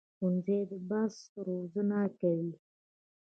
ښوونځی د بحث روزنه کوي